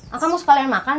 aku mau sekalian makan